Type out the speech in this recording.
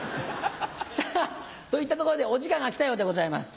さぁといったところでお時間が来たようでございます。